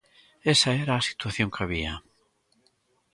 Esa era a situación que había.